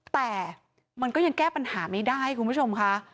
แต่มันก็ยังแก้ปัญหาไม่ได้คุณผู้ชมค่ะ